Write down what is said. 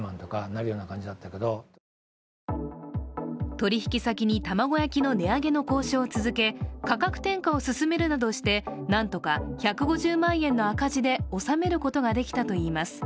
取引先に卵焼きの値上げの交渉を続け、価格転嫁を進めるなどして、なんとか１５０万円の赤字でおさえることができたといいます。